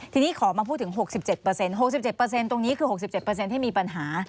ทีนี้ขอมาพูดถึง๖๗๖๗ตรงนี้คือ๖๗ที่มีปัญหา